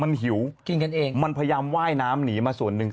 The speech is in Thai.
มันหิวมันพยายามว่ายน้ำหนีมาส่วนนึง